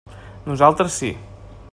Nosaltres sí.